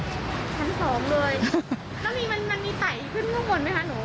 แล้วมันมีไตขึ้นข้างบนไหมครับหนู